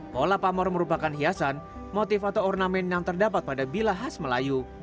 pola pamor merupakan hiasan motif atau ornamen yang terdapat pada bilah khas melayu